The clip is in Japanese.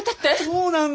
そうなんだ！